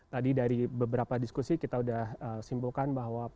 tadi dari beberapa diskusi kita sudah simpulkan bahwa